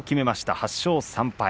８勝３敗